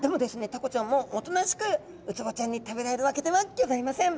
タコちゃんもおとなしくウツボちゃんに食べられるわけではギョざいません。